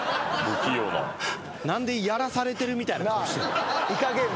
「何でやらされてるみたいな顔してんの？」